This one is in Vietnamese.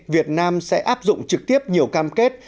việt nam sẽ áp dụng trực tiếp nhiều cam kết